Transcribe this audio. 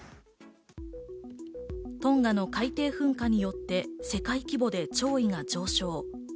トンガの海底噴火によって世界規模で潮位が上昇。